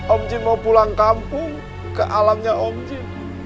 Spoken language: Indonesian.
om jin mau pulang kampung ke alamnya om jin